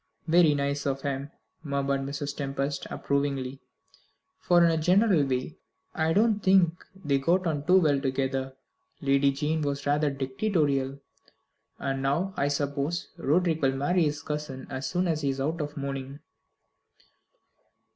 "Very nice of him," murmured Mrs. Tempest approvingly; "for, in a general way, I don't think they got on too well together. Lady Jane was rather dictatorial. And now, I suppose, Roderick will marry his cousin as soon as he is out of mourning."